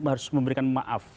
harus memberikan maaf